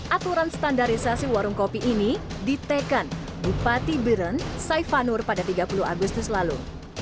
aturan standarisasi warung kopi ini ditekan bupati biren saifanur pada tiga puluh agustus lalu